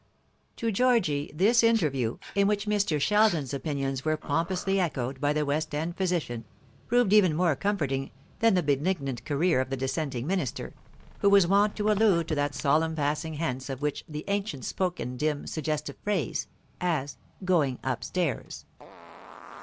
To Georgy this interview, in which Mr. Sheldon's opinions were pompously echoed by the West end physician, proved even more comforting than the benignant career of the Dissenting minister, who was wont to allude to that solemn passing hence of which the ancients spoke in dim suggestive phrase, as "going upstairs."